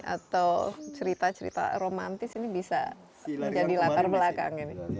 atau cerita cerita romantis ini bisa menjadi latar belakang